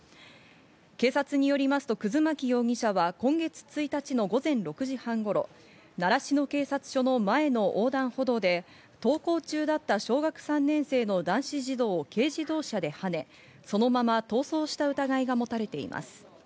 警察によりますと葛巻容疑者は今月１日の午前６時半頃、習志野警察署の前の横断歩道で、登校中だった小学３年生の男子児童を軽自動車ではね、そのまま逃走した疑いがもたれています。